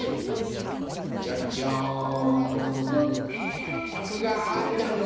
パクパクがあんだの。